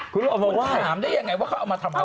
คุณถามได้ยังไงว่าเขาเอามาทำอะไร